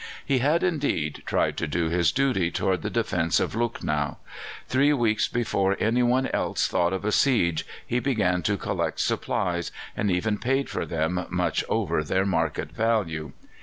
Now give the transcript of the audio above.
He had indeed tried to do his duty towards the defence of Lucknow. Three weeks before anyone else thought of a siege he began to collect supplies, and even paid for them much over their market value.